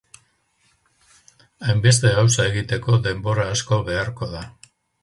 Hainbeste gauza egiteko denbora asko beharko da.